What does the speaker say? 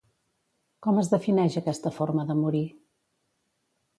Com es defineix aquesta forma de morir?